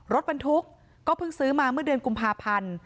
รถบรรทุกก็เพิ่งซื้อมาเมื่อเดือนกุมภาพันธ์